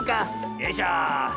よいしょ。